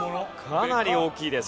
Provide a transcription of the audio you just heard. かなり大きいです